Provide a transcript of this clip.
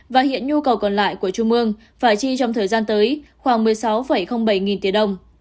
và hiện nhu cầu còn lại của trung ương phải chi trong thời gian tới khoảng một mươi sáu bảy nghìn tỷ đồng